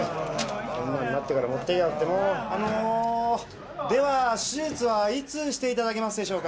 こんなんなってから持ってきやがってもうでは手術はいつしていただけますでしょうか